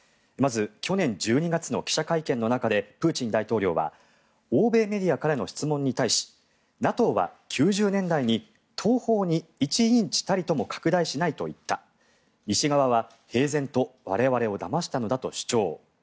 まず去年１２月の記者会見の中でプーチン大統領は欧米メディアからの質問に対しＮＡＴＯは９０年代に東方に１インチたりとも拡大しないと言った西側は平然と我々をだましたのだと主張。